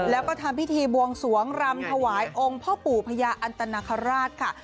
แล้วก็ทำพิธีบวงสวงรำถวายองค์พ่อปู่พญาอันตนคราชค่ะ